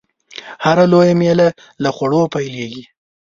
هره لويه میله له خوړو پیلېږي.